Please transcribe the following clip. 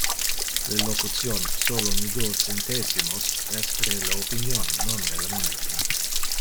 Le locution "solo mi duo centesimos" es re le opinion, non re le moneta.